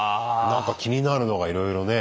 なんか気になるのがいろいろね。